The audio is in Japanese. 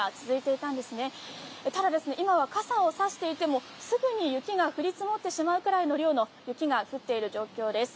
ただ今は傘をさしていても、すぐに雪が降り積もってしまうぐらいの量の雪が降っている状況です。